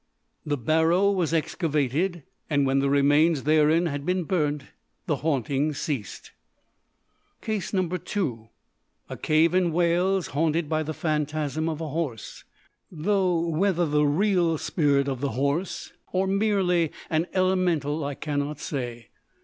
(The barrow was excavated, and when the remains therein had been burnt, the hauntings ceased.) Case No. 2. A cave in Wales haunted by the phantasm of a horse, though, whether the real spirit of the horse or merely an Elemental I cannot say.